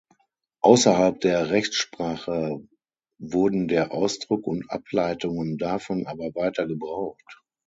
Außerhalb der Rechtssprache wurden der Ausdruck und Ableitungen davon aber weiter gebraucht.